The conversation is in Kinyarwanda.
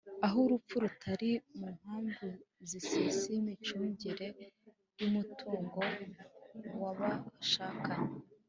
aho urupfu rutari mu mpamvu zisesa imicungire y’umutungo w’abashakanye